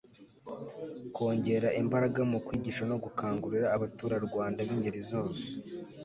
kongera imbaraga mu kwigisha no gukangurira abaturarwanda b' ingeri zose